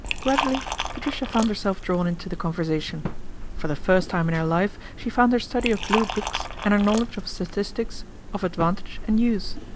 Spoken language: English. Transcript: Gradually Patricia found herself drawn into th conversation. For the first time in her life sh found her study of Blue Books and her knowledg of statistics of advantage and use.